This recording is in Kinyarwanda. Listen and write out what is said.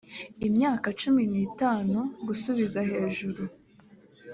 imyaka cumi n itanu gusubiza hejuru